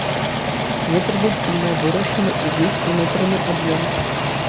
Нетрадыцыйна вырашаны ўвесь унутраны аб'ём.